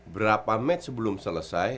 berapa match sebelum selesai